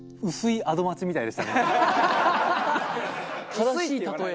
正しい例え。